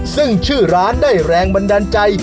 ซึ่งชื่อร้านได้แรงบันดาลใจ